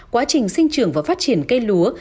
quá trình sinh trường và phát triển cây lúa